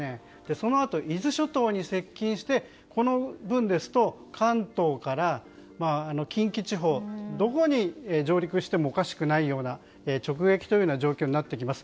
そのあと、伊豆諸島に接近してこの分ですと関東から近畿地方どこに上陸してもおかしくないような直撃というような状況になってきます。